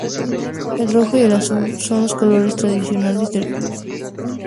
El rojo y el azul son los colores tradicionales del club.